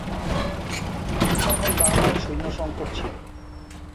তখন বার্মায় সৈন্য সংকট ছিল।